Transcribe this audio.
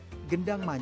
dan juga penyelenggaraan